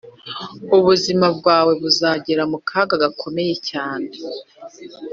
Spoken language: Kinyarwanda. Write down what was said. Ubuzima bwawe buzagera mu kaga gakomeye cyane,